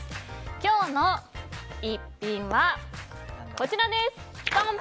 今日の逸品はこちらです。